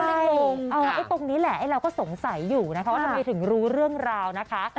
ตรงนี้แหละไอ้เราก็สงสัยอยู่นะคะว่าทำไมถึงรู้เรื่องราวนะคะ